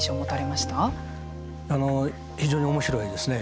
あの非常に面白いですね。